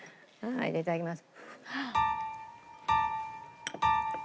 いただきます。